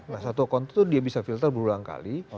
nah satu akun itu dia bisa filter berulang kali